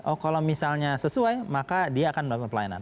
oh kalau misalnya sesuai maka dia akan melakukan pelayanan